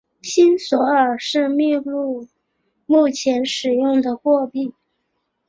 新索尔是秘鲁目前使用的货币。